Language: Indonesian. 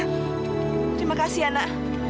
terima kasih ana